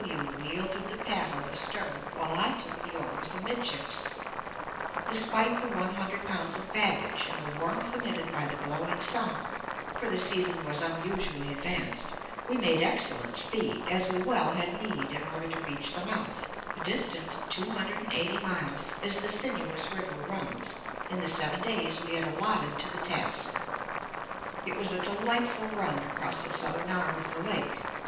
W wielded the paddle astern, while I took the oars amidships. Despite the one hundred pounds of baggage and the warmth emitted by the glowing sun, for the season was unusually advanced, we made excellent speed, as we well had need in order to reach the mouth, a distance of two hundred and eighty miles as the sinuous river runs, in the seven days we had allotted to the task. It was a delightful run across the southern arm of the lake.